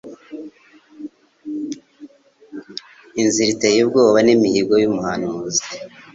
Inzira iteye ubwoba y'imihigo y'umuhanuzi,